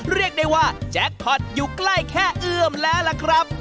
เรียกได้ว่าแจ็คพอร์ตอยู่ใกล้แค่เอื้อมแล้วล่ะครับ